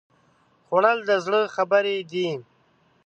خوړل د زړه خبرې دي